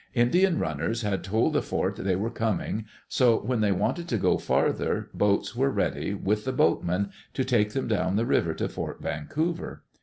Indian runners had told the fort they were coming, so, when they wanted to go farther, boats were ready, with the boatmen, to take them down the river to Fort Vancouver.